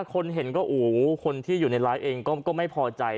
คนเห็นก็อู๋คนที่อยู่ในไลฟ์เองก็ไม่พอใจ